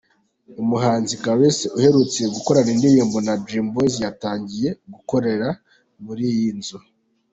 Umuhanzi Clarisse uherutse gukorana indirimbo na Dream Boys yatangiye gukorera mur'iyi nzu.